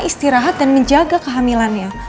istirahat dan menjaga kehamilannya